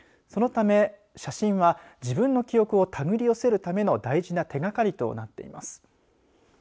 そのため写真は、自分の記憶をたぐり寄せるための大事な手がかりとなっています。